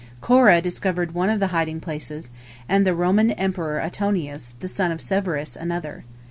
Korah discovered one of the hiding places, and the Roman emperor Antoninus, the son of Severus, another.